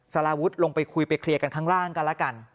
สารวุฒิลงไปคุยไปเคลียร์กันข้างล่างกันแล้วกัน